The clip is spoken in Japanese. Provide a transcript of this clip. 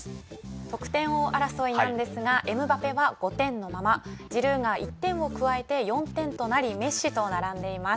得点王争いなんですがエムバペは５点のままジルーが１点を加えて４点となりメッシと並んでいます。